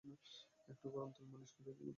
একটু গরম তেল মালিশ করিয়া দিলেই হইত।